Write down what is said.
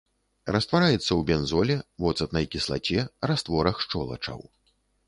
Раствараецца ў бензоле, воцатнай кіслаце, растворах шчолачаў.